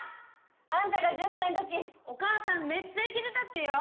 あんたが１０歳の時お母さんめっちゃイケてたってよ！